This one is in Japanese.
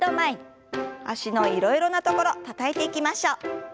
脚のいろいろなところたたいていきましょう。